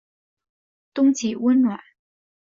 冬季温暖。